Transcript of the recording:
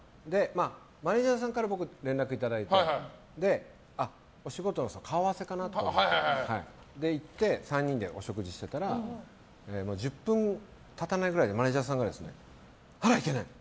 マネジャーさんから僕、連絡いただいてお仕事の顔合わせかなと思って３人でお食事してたら１０分経たないぐらいでマネジャーさんがあら、いけない！